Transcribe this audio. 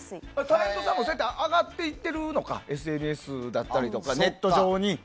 タレントさんもそうやって上がっていっているのかＳＮＳとかネット上に。